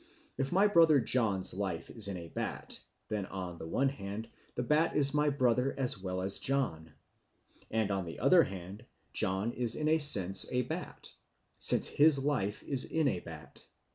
If my brother John's life is in a bat, then, on the one hand, the bat is my brother as well as John; and, on the other hand, John is in a sense a bat, since his life is in a bat.